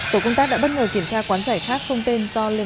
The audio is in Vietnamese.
tổ công tác đã bất ngờ kiểm tra quán giải khác không tên do lê